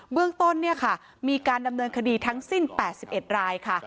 เรื่องต้นมีการดำเนินคดีทั้งสิ้น๘๑รายค่ะ